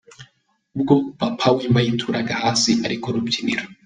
Ubwo Papa Wemba yituraga hasi ari kurubyiniro